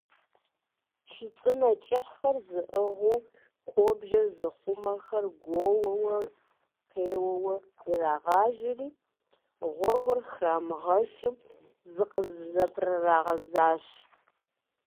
Чы цӀынэ кӀыхьхэр зыӀыгъыу куэбжэр зыхъумэхэр гуоууэ къеуэу ирагъажьэри, гъуэгур храмыгъэшу зыкъызэпрагъэгъэзащ.